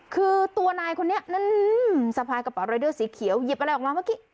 คือตัวนายคนนี้นั้นสะพายกระเป๋ารายเดอร์สีเขียวหยิบอะไรออกมาเมื่อกี้